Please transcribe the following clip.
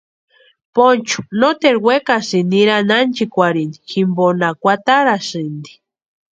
Ponchu noteru wekasïnti nirani ánchikwarhini jimponha kwatarasïnti.